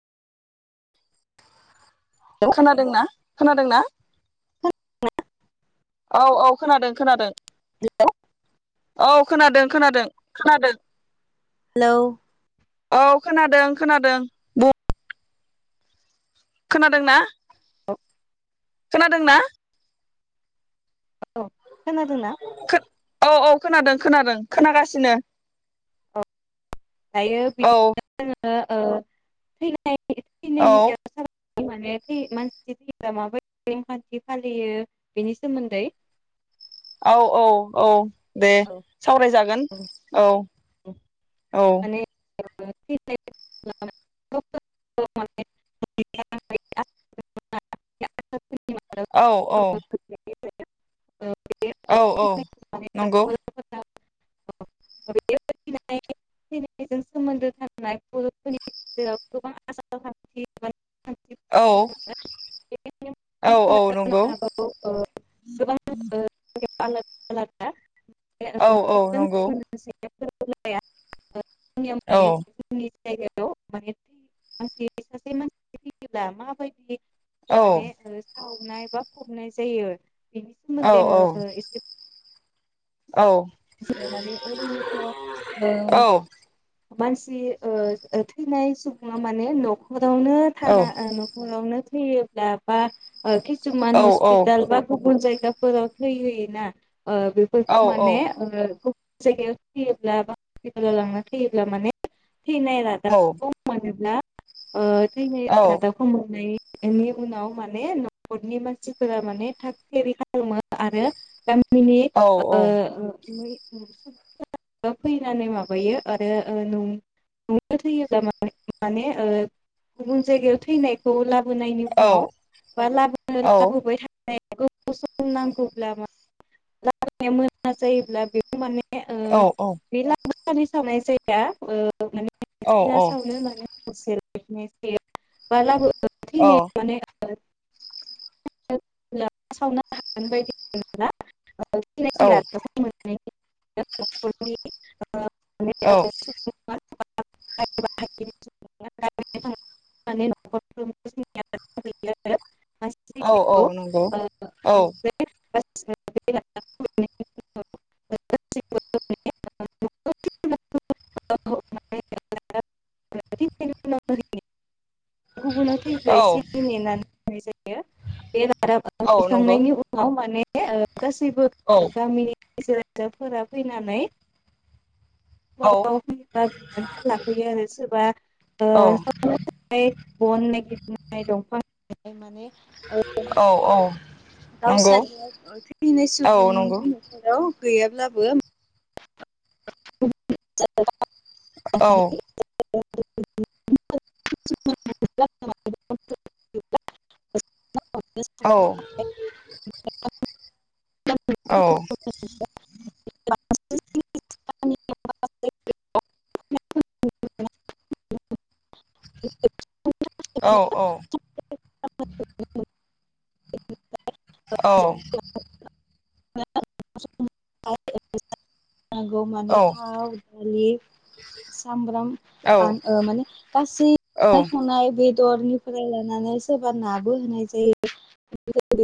खोनादों ना खोनादों ना? औ औ खोनादों खोनादों। हेल'। औ खोनादों खोनादों खोनादों। हेल' औ खोनादों खोनादों बुं। खोनादों ना? [unintelligible] खोनादों ना? औ खोनादोंना? औ औ खोनादों खोनादों खोनागासिनो। दायो औ बिदिब्ला जोङो ‌। औ [unintelligible] [unintelligible] माने मानसि थैयोब्ला माबायदि नेमखान्थि फालियो बेनि सोमोन्दै? औ औ औ दे औ सावरायजागोन औ औ [inaudible] औ औ औ औ नंगौ [unintelligible] थैनायजों सोमोन्दो थानाय बरफोरनि गेजेराव गोबां आसार खान्थि औ औ औ नंगौ हागौ गोबां [inaudible] औ औ मोनसेजों गुबुन नंगौ [inaudible] [inaudible] औ जायगायाव मान मान सासे मानसि थैयोब्ला माबायदि औ माने ओ साव खुनाय बा फबनाय जायो बेनि औ सोमोन्दै ओ ओ इसे [inaudible] औ मानसि ओ ओ थैनाय सुबुङा माने नख रावनो औ थाना नखरावनो थैयोब्ला बा ओ किसुमान हस्पिटाल बा गुबुन जाय दाबराव थै होयो ना ओ बेफोरखौ माने गुबुन जायगायाव थैयोब्ला बा हपिटालाव लांनानै थैयोब्ला माने थैनाय रादाब खौ मोनोब्ला ओ थैनाय औ रादाबखौ मोननाय बेनि उनाव माने नखरनि मानसिफोरा माने थाग थियारि खालामो आरो गा मिनि औ ओ औ फैनानै माबायो आरो ओ ननो थैयोब्ला माने ओ गुबुन जायगायाव थैनायखौ ला बोनायनि औ उनाव बा लाबानो औ लाबोबाय था [inaudible] दा बेखौ मान औ औ बिला सानै सानाय जाया ओ औ ना सावनो मान ह लाबो [unintelligible] ने मान सावनो हागोन बायदि आरो ना? औ औ [inaudible] [inaudible] [inaudible] [inaudible] औ औ नंगौ औ [inaudible] [inaudible] [inaudible] गुबुनाव थैब्ला एसे औ नेनानै होननाय जायो। बे औ नंगौ गारहैखांनायनि उनाव माने ओ गासैबो औ गामिनि रायजो-राजाफोरा फैनानै औ गावबा गाव बिबानखौ लाफैयो आरो सोरबा ओ गावबा औ गाव हाय बन नागिरनाय, दंफां दाननाय माने ओ औ औ नंगौ गावसानियाव थैनाय औ नंगौ सुबुंनि न'खराव गैयाब्लाबो [unintelligible] औ माने [unintelligible] औ [unintelligible] औ [unintelligible] [unintelligible] औ औ [unintelligible] औ [unintelligible] नंगौ माने थाव दालि सामब्राम औ बा ओ‌ माने औ औ गासैबो संनाय बे दरनिफ्राय लानानै सोरबा नाबो होनाय जायो [inaudible]